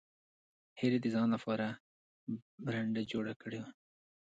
هیلې د ځان لپاره برنډه جوړه کړې وه